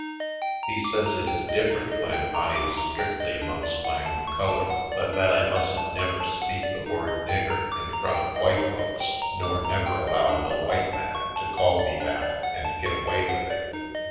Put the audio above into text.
He says it is dififerent when I is strictly amongst my own color, but that I mustn't never speak the word "nigger" in front of white folks nor never allow no white man to call me that and get away with it.